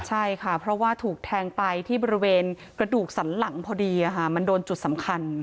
ใช่ค่ะเพราะว่าถูกแทงไปที่บริเวณกระดูกสันหลังพอดีมันโดนจุดสำคัญ